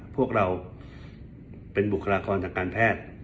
พวกเราเป็นบุคลากรทางการแพทย์